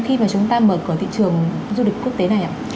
khi mà chúng ta mở cửa thị trường du lịch quốc tế này ạ